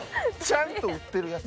ちゃんと売ってる。